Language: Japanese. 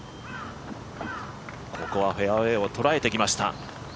ここはフェアウエーを捉えてきました。